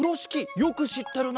よくしってるな！